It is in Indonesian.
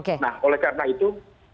nah oleh karena itu